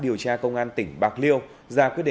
ừ an sinh cho